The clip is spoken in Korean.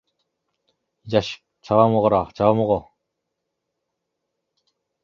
"이자식! 잡아먹어라, 잡아먹어!"